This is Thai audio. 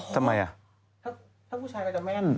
อ๋อถ้าผู้ชายก็จะแม่น